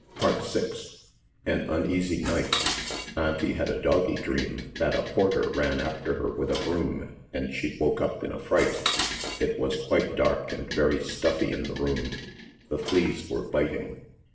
VI An Uneasy Night Auntie had a doggy dream that a porter ran after her with a broom, and she woke up in a fright. It was quite dark and very stuffy in the room. The fleas were biting.